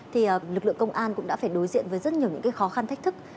thì lực lượng công an cũng đã phải đối diện với rất nhiều những khó khăn thách thức